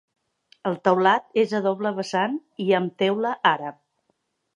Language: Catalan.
El teulat és a doble vessant i amb teula àrab.